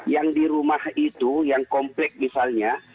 yang di rumah itu yang komplek misalnya